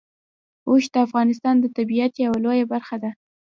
اوښ د افغانستان د طبیعت یوه لویه برخه ده.